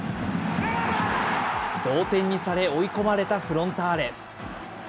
同点にされ、追い込まれたフロンターレ。